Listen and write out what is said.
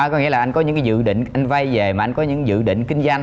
có nghĩa là anh có những dự định anh vay về mà anh có những dự định kinh doanh